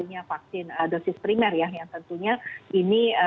yaitu dosis primer ya yang tentunya ini